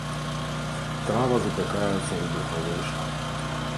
Страва запякаецца ў духавой шафе.